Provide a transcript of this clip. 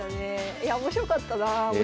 いや面白かったな森先生。